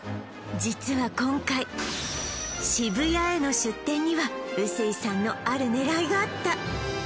実は今回渋谷への出店には臼井さんのある狙いがあった